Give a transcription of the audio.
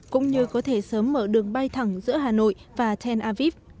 cũng như có thể sớm mở đường bay thẳng giữa hà nội và tel aviv